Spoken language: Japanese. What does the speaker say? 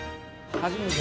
初めて。